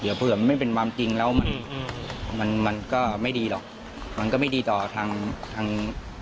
เดี๋ยวเผื่อมันไม่เป็นความจริงแล้วมันมันมันก็ไม่ดีหรอกมันก็ไม่ดีต่อทางทาง